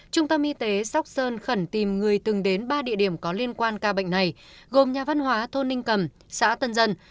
trung tâm y tế sóc sơn khẩn tìm người từng đến ba địa điểm có liên quan ca bệnh này gồm nhà văn hóa thôn ninh cầm xã tân dân